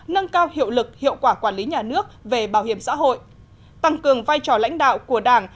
nâng cao hiệu lực hiệu quả quản lý nhà nước về bảo hiểm xã hội tăng cường vai trò lãnh đạo của đảng